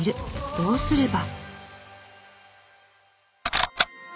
どうすれば。